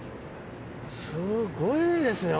すごいですね